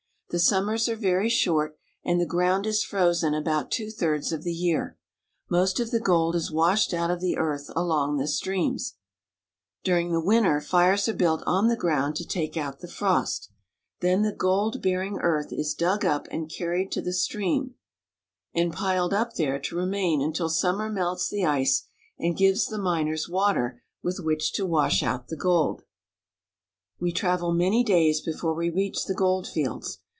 The summers are very short, and the ground is frozen about two thirds of the year. Most of the gold is washed out of the earth along the streams. During the winter, fires are built on the ground to take THE GOLD FIELDS. 30; Washing Gold on the Klondike, out the frost. Then the gold bearing earth is dug up and carried to the stream, and piled up there to remain until summer melts the ice and gives the miners water with which to wash out the gold. We travel many days before we reach the gold fields.